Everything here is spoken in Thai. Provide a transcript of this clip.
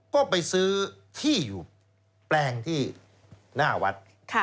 ก็ไปซื้อที่อยู่แปลงที่หน้าวัด